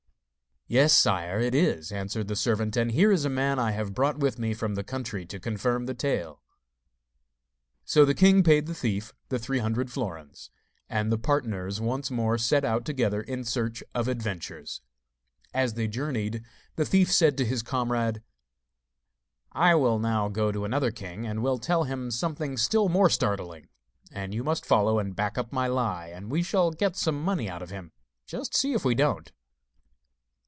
'Yes, sire, it is,' answered the servant; 'and here is a man I have brought with me from the country to confirm the tale.' So the king paid the thief the three hundred florins; and the partners once more set out together in search of adventures. As they journeyed, the thief said to his comrade: 'I will now go to another king, and will tell him something still more startling; and you must follow and back up my lie, and we shall get some money out of him; just see if we don't.